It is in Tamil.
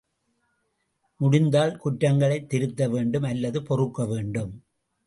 முடிந்தால் குற்றங்களைத் திருத்த வேண்டும் அல்லது பொறுக்க வேண்டும்.